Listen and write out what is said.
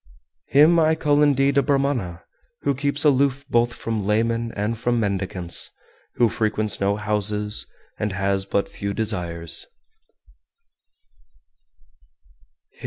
404. Him I call indeed a Brahmana who keeps aloof both from laymen and from mendicants, who frequents no houses, and has but few desires.